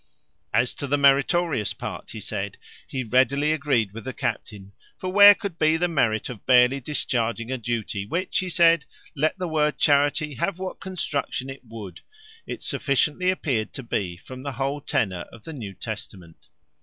"As to the meritorious part," he said, "he readily agreed with the captain; for where could be the merit of barely discharging a duty? which," he said, "let the word charity have what construction it would, it sufficiently appeared to be from the whole tenor of the New Testament.